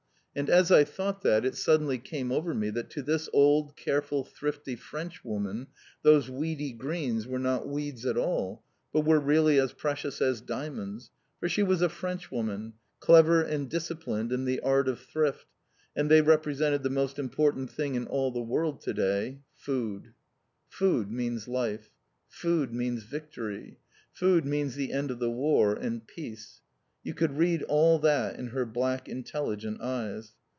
And as I thought that, it suddenly came over me that to this old, careful, thrifty Frenchwoman those weedy greens were not weeds at all, but were really as precious as diamonds, for she was a Frenchwoman, clever and disciplined in the art of thrift, and they represented the most important thing in all the world to day food. Food means life. Food means victory. Food means the end of the War, and PEACE. You could read all that in her black, intelligent eyes.